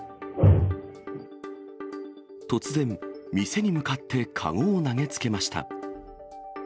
突然、店に向かって籠を投げつけました。